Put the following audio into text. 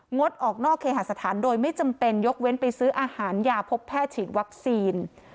ดออกนอกเคหาสถานโดยไม่จำเป็นยกเว้นไปซื้ออาหารยาพบแพทย์ฉีดวัคซีน